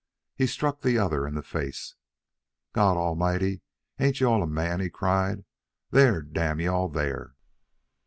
He struck the other in the face. "God Almighty, ain't you all a man?" he cried. "There! damn you all! there!"